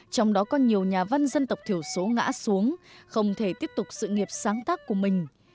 trong đó có nhiều nhà văn dân tộc thiểu số ngã xuống không thể tiếp tục sự nghiệp sáng tác của mình